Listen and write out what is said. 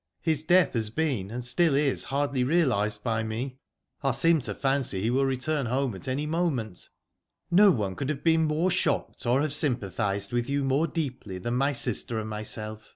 His death has been and still is hardly realised by me. I seem to fancy he will return home at any moment.'' •'No one could have been more shocked, or have sympathised with you more deeply than my sister and myself.